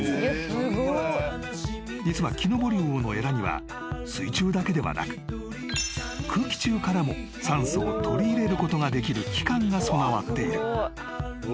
［実はキノボリウオのえらには水中だけではなく空気中からも酸素を取り入れることができる器官が備わっている］